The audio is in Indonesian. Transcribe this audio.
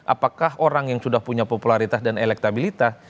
apakah orang yang sudah punya popularitas dan elektabilitas